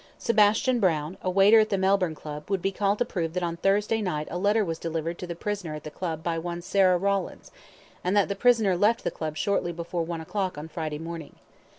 Sebastian Brown, a waiter at the Melbourne Club, would be called to prove that on Thursday night a letter was delivered to the prisoner at the Club by one Sarah Rawlins, and that the prisoner left the Club shortly before one o'clock on Friday morning.